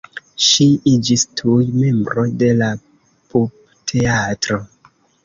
Ŝi iĝis tuj membro de la pupteatro.